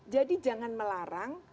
jadi jangan melarang